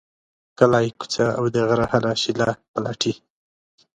کلی، کوڅه او د غره هره شیله پلټي.